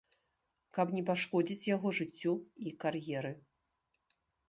Каб не пашкодзіць яго жыццю і кар'еры.